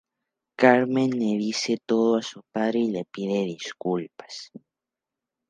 Carmen le dice todo a su padre y le pide disculpas.